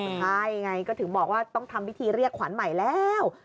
ใช่ไงก็ถึงบอกว่าต้องทำพิธีเรียกขวัญใหม่แล้ว